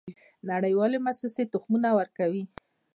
نړیوالې موسسې تخمونه ورکوي.